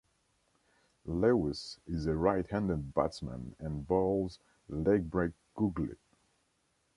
Lewis is a right-handed batsman and bowls a legbreak googly.